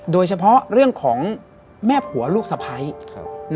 โดยเฉพาะเรื่องของแม่ผัวลูกสะพ้าย